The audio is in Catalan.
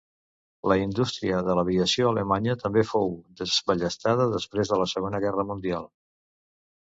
La indústria de l'aviació alemanya també fou desballestada després de la Segona Guerra Mundial.